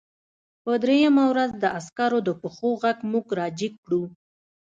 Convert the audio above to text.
په درېیمه ورځ د عسکرو د پښو غږ موږ راجګ کړو